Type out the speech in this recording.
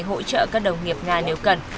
hỗ trợ các đồng nghiệp nga nếu cần